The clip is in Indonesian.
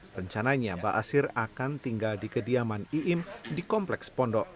rencananya ba'asir akan tinggal di kediaman iim di kompleks pondok